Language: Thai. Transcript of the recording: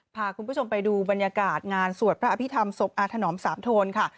พาคุณผู้ชมไปดูบรรยากาศงานสวดพระอภิษฐรรมศพอาถนอมสามโทนค่ะ